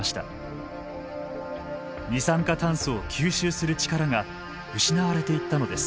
二酸化炭素を吸収する力が失われていったのです。